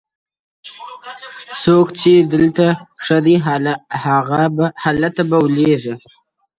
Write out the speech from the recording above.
څوک چی دلته ښه دي هلته به لوړېږي!!